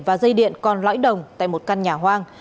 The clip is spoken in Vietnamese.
và dây điện con lõi đồng tại một căn nhà hoang